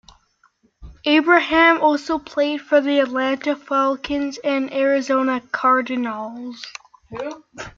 Abraham also played for the Atlanta Falcons and Arizona Cardinals.